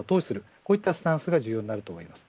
こういったスタンスが重要になると思います。